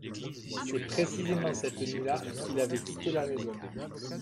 c'est précisément cette nuit-là qu'il avait quitté la maison.